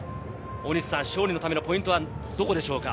大西さん、勝利のためのポイントはどこでしょうか？